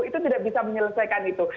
itu saya hargai